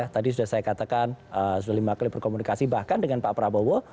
tadi sudah saya katakan sudah lima kali berkomunikasi bahkan dengan pak prabowo